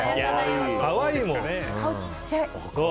顔、ちっちゃい。